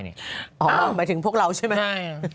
หมายถึงพวกเราใช่ไหม